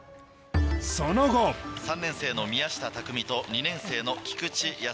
その後３年生の宮下拓己と２年生の菊地保喜。